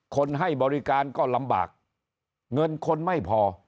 ให้บริการก็ลำบากเงินคนไม่พอ